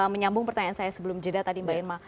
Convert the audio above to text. menyambung pertanyaan saya sebelum jeda tadi mbak irma